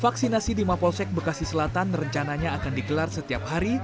vaksinasi lima polsek bekasi selatan rencananya akan dikelar setiap hari